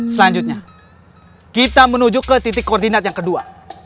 selanjutnya kita menuju ke titik koordinat yang kedua